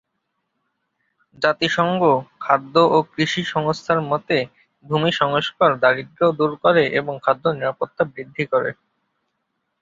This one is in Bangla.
জাতিসংঘ খাদ্য ও কৃষি সংস্থার মতে ভূমি সংস্কার দারিদ্র দূর করে এবং খাদ্য নিরাপত্তা বৃদ্ধি করে।